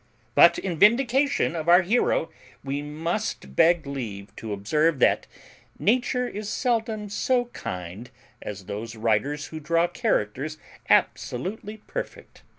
But, in vindication of our hero, we must beg leave to observe that Nature is seldom so kind as those writers who draw characters absolutely perfect.